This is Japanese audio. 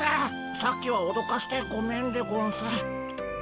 さっきはおどかしてごめんでゴンス。